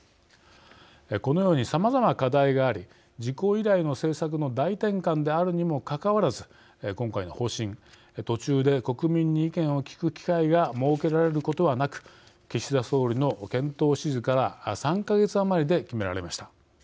このように、さまざま課題があり事故以来の政策の大転換であるにもかかわらず今回の方針途中で国民に意見を聞く機会が設けられることはなく岸田総理の検討指示から３か月余りで決められました。